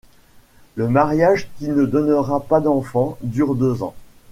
Le mariage, qui ne donnera pas d'enfant, dure deux ans.